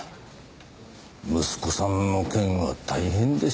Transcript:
息子さんの件は大変でしたねぇ。